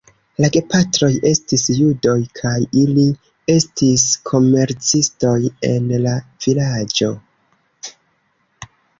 La gepatroj estis judoj kaj ili estis komercistoj en la vilaĝo.